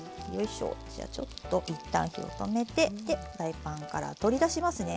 じゃちょっと一旦火を止めてフライパンから取り出しますね。